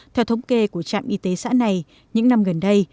theo thống kê của trạm y tế xã này những năm gần đây